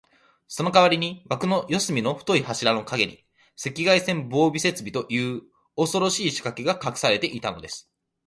そのかわりに、わくの四すみの太い柱のかげに、赤外線防備装置という、おそろしいしかけがかくされていたのです。